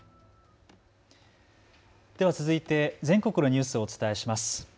では続いて全国のニュースをお伝えします。